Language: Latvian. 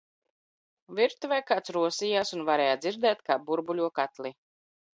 Virtuvē kāds rosījās un varēja dzirdēt kā burbuļo katli